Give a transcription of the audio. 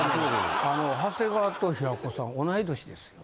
長谷川と平子さん同い年ですよ。